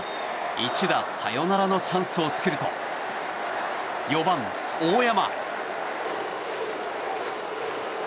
一打サヨナラのチャンスを作ると４番、大山。